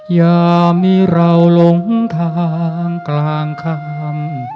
ยามิเราลงทางกลางคาว